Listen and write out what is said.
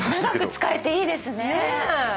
長く使えていいですね。